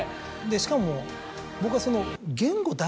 しかも僕はその。